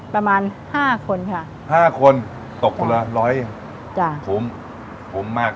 ประมาณ๕คนค่ะ๕คนตกละ๑๐๐อย่างจ้ะภูมิภูมิมาก